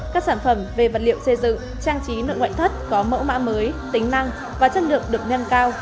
các sản phẩm về vật liệu xây dựng trang trí nội ngoại thất có mẫu mã mới tính năng và chất lượng được nâng cao